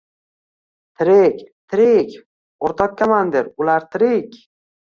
— Tirik, tirik! O’rtoq komandir, ular tirik!